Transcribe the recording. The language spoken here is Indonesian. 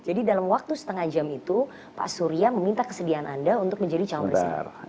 dalam waktu setengah jam itu pak surya meminta kesediaan anda untuk menjadi calon presiden